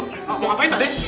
mau ngapain tadi